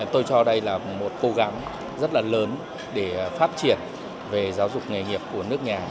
tôi cho đây là một cố gắng rất là lớn để phát triển về giáo dục nghề nghiệp của nước nhà